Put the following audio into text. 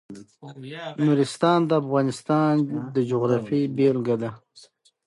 نورستان د افغانستان د جغرافیې بېلګه ده.